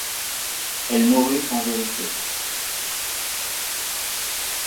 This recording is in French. Elle mourut sans héritier.